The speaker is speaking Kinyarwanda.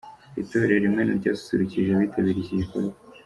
Itorero Imena ryasusurukije abitabiriye iki gikorwa.